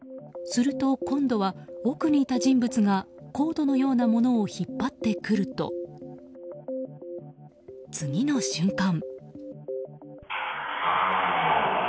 すると今度は奥にいた人物がコードのようなものを引っ張ってくると、次の瞬間。